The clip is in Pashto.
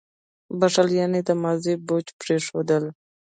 • بښل یعنې د ماضي بوج پرېښودل.